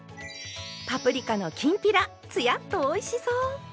パプリカのきんぴらつやっとおいしそう！